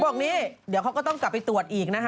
บอกนี่เดี๋ยวเขาก็ต้องกลับไปตรวจ